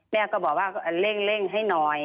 แม่ก็บอกว่าเร่งให้หน่อย